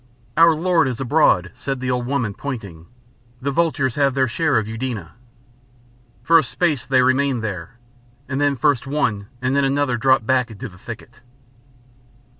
"Our lord is abroad," said the old woman, pointing. "The vultures have their share of Eudena." For a space they remained there, and then first one and then another dropped back into the thicket.